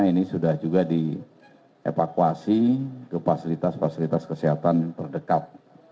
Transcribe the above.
ini sudah juga dievakuasi ke fasilitas fasilitas kesehatan terdekat